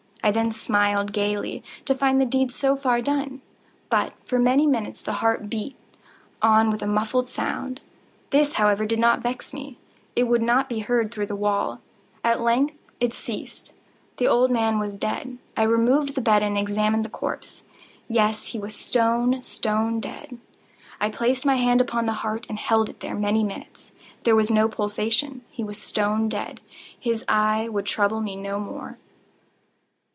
I then smiled gaily, to find the deed so far done. But, for many minutes, the heart beat on with a muffled sound. This, however, did not vex me; it would not be heard through the wall. At length it ceased. The old man was dead. I removed the bed and examined the corpse. Yes, he was stone, stone dead. I placed my hand upon the heart and held it there many minutes. There was no pulsation. He was stone dead. His eye would trouble me no more.